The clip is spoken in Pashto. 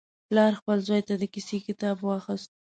پلار خپل زوی ته د کیسې کتاب واخیست.